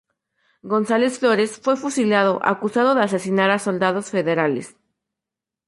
González Flores fue fusilado acusado de asesinar a soldados federales.